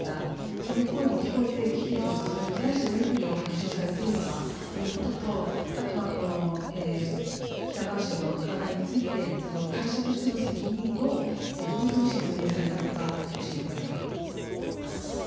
そういう声も聞こえてきているのか、それに対してどういうお話をされてきているのか、あとは喜多川氏の加害について会社としての責任をどういうふうに説明されたのか教えてください。